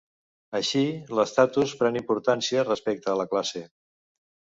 Així, l'estatus pren importància respecte a la classe.